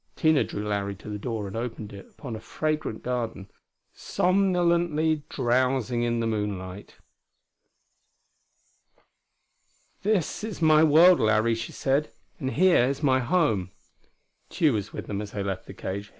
Tina drew Larry to the door and opened it upon a fragrant garden, somnolently drowsing in the moonlight. "This is my world, Larry," she said. "And here is my home." Tugh was with them as they left the cage.